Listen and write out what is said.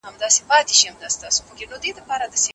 همکاري د انسانیت د بریا یوازینۍ لاره ده.